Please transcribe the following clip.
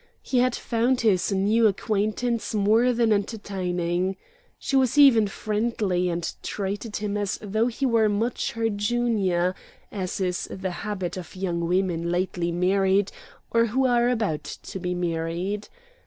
He had found his new acquaintance more than entertaining. She was even friendly, and treated him as though he were much her junior, as is the habit of young women lately married or who are about to be married.